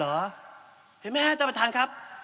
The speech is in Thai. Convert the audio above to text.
เห็นไหมครับท่านประธานครับ